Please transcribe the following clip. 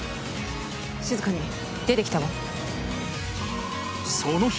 静かに出てきたわその日